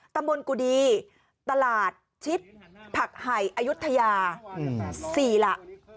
ตำบลกุดีตลาดชิดผักไห่อายุทยา๔ล่ะ